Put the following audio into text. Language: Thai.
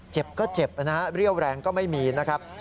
เจ็บก็เจ็บนะฮะเรี่ยวแรงก็ไม่มีนะครับ